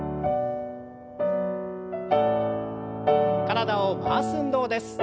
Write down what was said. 体を回す運動です。